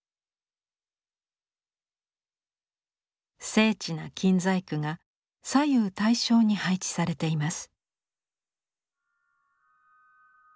精緻な金細工が左右対称に配置されています。